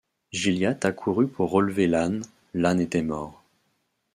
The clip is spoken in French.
Gilliatt accourut pour relever l’âne, l’âne était mort.